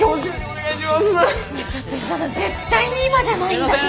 ねえちょっと吉田さん絶対に今じゃないんだけど！